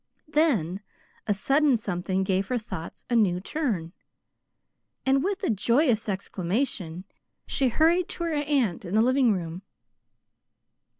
Then a sudden something gave her thoughts a new turn, and with a joyous exclamation she hurried to her aunt in the living room.